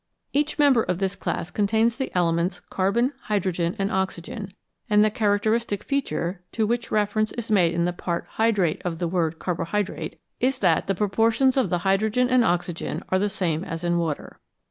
Each member of this class contains the elements carbon, hydrogen, and oxygen, and the characteristic feature, to which reference is made in the part hydrate of the word " carbohydrate," is that the proportions of the hydrogen and the oxygen are the same as in water.